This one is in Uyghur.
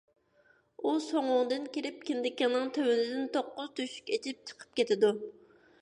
ئۇ سوڭۇڭدىن كىرىپ، كىندىكىڭنىڭ تۆۋىنىدىن توققۇز تۆشۈك ئېچىپ چىقىپ كېتىدۇ.